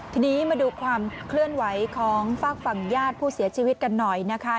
ทีนี้มาดูความเคลื่อนไหวของฝากฝั่งญาติผู้เสียชีวิตกันหน่อยนะคะ